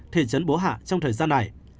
thì chấn bố hạ trong thời gian này